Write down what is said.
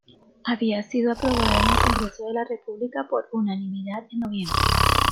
Había sido aprobada en el Congreso de la República por unanimidad en noviembre.